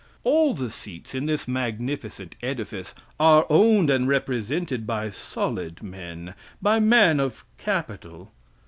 All the seats in this magnificent edifice are owned and represented by 'solid' men, by men of capital.